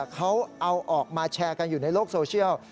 เขาเอาออกมาแชร์กันอยู่ในโลกโซเชียล